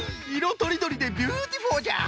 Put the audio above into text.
とりどりでビューティフォーじゃ！